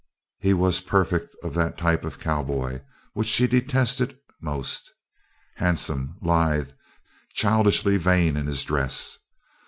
He was perfect of that type of cowboy which she detested most: handsome, lithe, childishly vain in his dress.